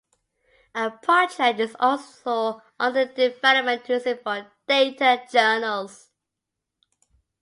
A project is also under development to use it for "Data Journals".